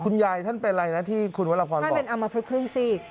คุณยายท่านเป็นอะไรนะที่คุณวันละพรบอกท่านเป็นอำมาตรกรึ่งซีก